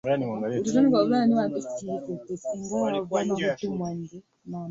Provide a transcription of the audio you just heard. wa dawa za kulevya ni hali ya kuugua au isiyo ya kawaida ambayo hutokana